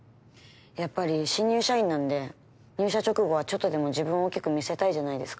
やっぱり新入社員なんで入社直後はちょっとでも自分を大きく見せたいじゃないですか。